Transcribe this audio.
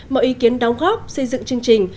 mọi ý kiến đóng góp xây dựng chương trình